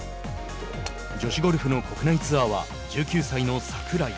女子ゴルフの国内ツアーは１９歳の櫻井。